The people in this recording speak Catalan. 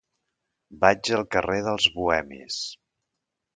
Vaig al carrer dels Bohemis.